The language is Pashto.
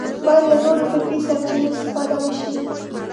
باید له نورو فکري سرچینو استفاده وشي